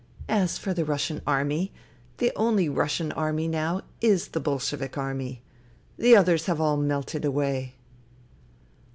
As for the Russian Army, the only Russian Army now is the Bolshevik Army. The others have all melted away."